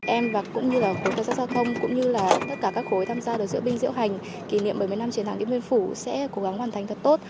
em và cũng như là khối cảnh sát giao thông cũng như là tất cả các khối tham gia được diễu binh diễu hành kỷ niệm bảy mươi năm chiến thắng điện biên phủ sẽ cố gắng hoàn thành thật tốt